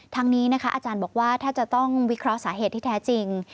ทั้งนี้นะคะอาจารย์บอกว่าถ้าจะต้องวิเคราะห์สาเหตุที่แท้จริง